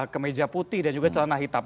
ke meja putih dan juga celana hitam